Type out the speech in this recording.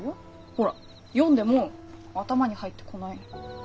ほら読んでも頭に入ってこないの。